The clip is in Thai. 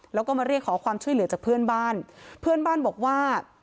แล้วก็มาเรียกขอความช่วยเหลือจากเพื่อนบ้านเพื่อนบ้านบอกว่า